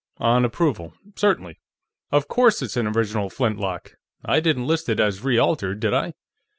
On approval; certainly.... Of course it's an original flintlock; I didn't list it as re altered, did I?...